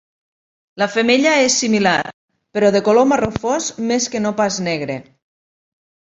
La femella és similar, però de color marró fosc més que no pas negre.